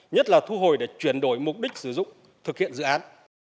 nhất là thu hồi để chuyển đổi mục đích sử dụng thực hiện dự án